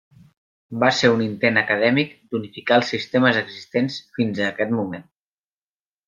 Va ser un intent acadèmic d'unificar els sistemes existents fins a aquest moment.